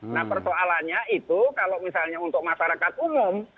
nah persoalannya itu kalau misalnya untuk masyarakat umum